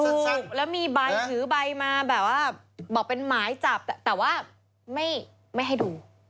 ถูกแล้วมีใบถือใบมาแบบว่าบอกเป็นหมายจับแต่ว่าไม่ให้ดู